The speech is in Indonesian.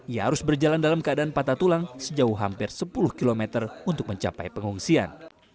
ia harus berjalan dalam keadaan patah tulang sejauh hampir sepuluh km untuk mencapai pengungsian